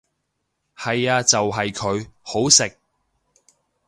係呀就係佢，好食！